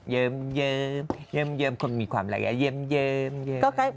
เยิ้มเยิ้มเยิ้มเยิ้มคนมีความรักอย่างนี้ยิ้มเยิ้มเยิ้ม